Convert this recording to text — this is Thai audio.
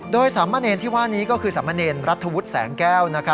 โดยสามเณรที่ว่านี้ก็คือสามเณรรัฐวุฒิแสงแก้ว